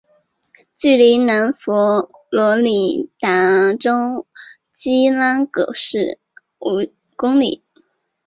距离南佛罗里达州基拉戈市五公里。